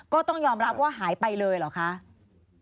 ก็ต้องยอมรับว่าหายไปเลยเหรอคะ